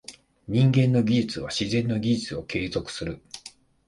人間の技術は自然の技術を継続する。